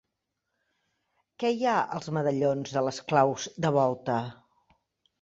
Què hi ha als medallons de les claus de volta?